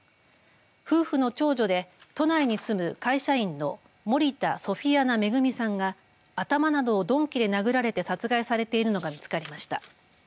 夫婦の長女で都内に住む会社員の森田ソフィアナ恵さんが頭などを鈍器で殴られて殺害されているのが見つかりました。